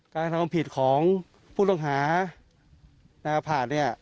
การทำผิดของผู้ต้องหานาผ่านเนี่ย